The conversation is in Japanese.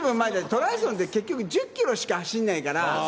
トライアスロンって結局、１０キロしか走んないから。